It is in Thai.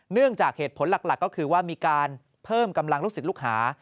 เนื่องจากเหตุผลหลักก็คือว่ามีการเพิ่มกำลังลูกศิษย์ลูกหา